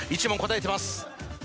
１問答えてます。